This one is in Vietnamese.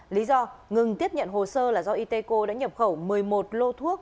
lý do ngừng tiếp nhận hồ sơ là do itco đã nhập khẩu một mươi một lô thuốc